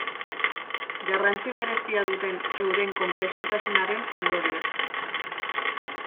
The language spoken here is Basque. Garrantzi berezia duten euren konplexutasunaren ondorioz.